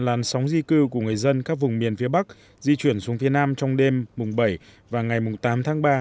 làn sóng di cư của người dân các vùng miền phía bắc di chuyển xuống phía nam trong đêm bảy và ngày tám tháng ba